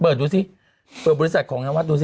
เปิดดูซิเปิดบริษัทของนวัดดูซิ